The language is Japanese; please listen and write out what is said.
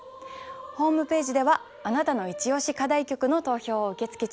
ホームページではあなたのイチオシ課題曲の投票を受け付け中です。